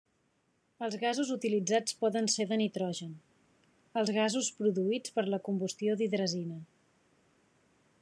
Els gasos utilitzats poden ser de nitrogen, els gasos produïts per la combustió d'hidrazina.